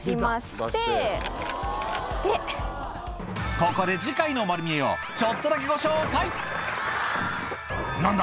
ここで次回の『まる見え！』をちょっとだけご紹介何だ⁉